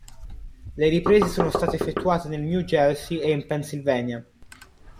Le riprese sono state effettuate nel New Jersey e in Pennsylvania.